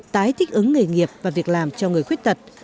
tái thích ứng nghề nghiệp và việc làm cho người khuyết tật